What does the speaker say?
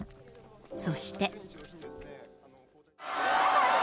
そして。